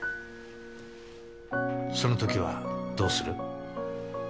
その時はどうする？